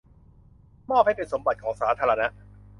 มอบให้เป็นสมบัติของสาธารณะ